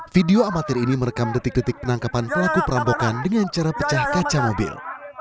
video amatir ini merekam detik detik penangkapan pelaku perampokan dengan cara pecah kaca mobil